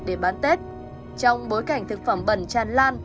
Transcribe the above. để bán tết trong bối cảnh thực phẩm bẩn tràn lan